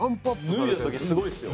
脱いだ時すごいですよ。